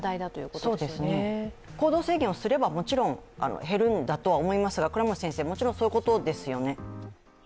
行動制限をすればもちろん減るんだとは思いますが、もちろん、そういうことですよね？